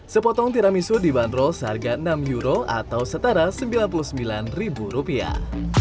sepotong tiramisu dibanderol seharga enam euro atau setara sembilan puluh sembilan ribu rupiah